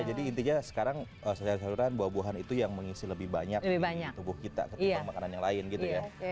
jadi intinya sekarang seluruh buah buahan itu yang mengisi lebih banyak di tubuh kita ketimbang makanan yang lain gitu ya